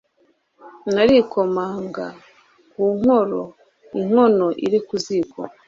narikomanga ku nkoro inkono iri ku ziko